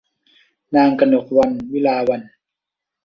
นางกนกวรรณ วิลาวัลย์